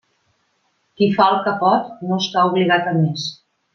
Qui fa el que pot, no està obligat a més.